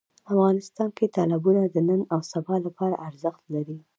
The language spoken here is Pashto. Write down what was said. افغانستان کې تالابونه د نن او سبا لپاره ارزښت لري.